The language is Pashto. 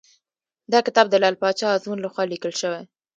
دا کتاب د لعل پاچا ازمون لخوا لیکل شوی .